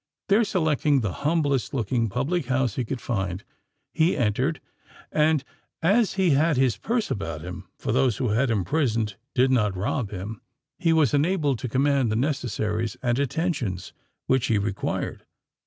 There, selecting the humblest looking public house he could find, he entered; and, as he had his purse about him (for those who had imprisoned, did not rob him), he was enabled to command the necessaries and attentions which he required.